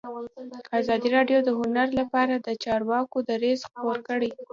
ازادي راډیو د هنر لپاره د چارواکو دریځ خپور کړی.